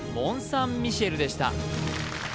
・サン・ミシェルでした